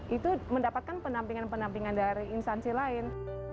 itu mendapatkan penampingan penampingan dari instansi lain